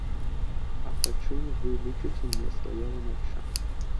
А па чым вы лічыце мне сваё ламачча?